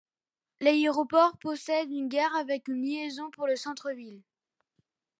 L'aéroport possède une gare avec une liaision pour le centre-ville.